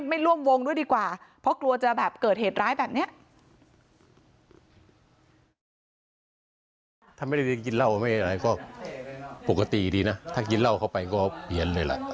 ไม่ร่วมวงด้วยดีกว่าเพราะกลัวจะแบบเกิดเหตุร้ายแบบนี้